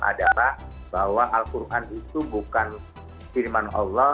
adalah bahwa al quran itu bukan firman allah